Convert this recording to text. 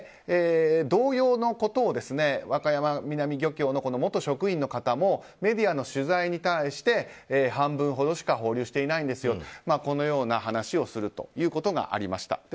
同様のことを、和歌山南漁協の元職員の方もメディアの取材に対して半分ほどしか放流していないですよとこのような話をすることがありました。